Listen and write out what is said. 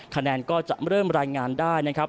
คะแนนก็จะเริ่มรายงานได้นะครับ